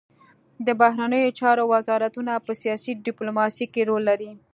د بهرنیو چارو وزارتونه په سیاسي ډیپلوماسي کې رول لري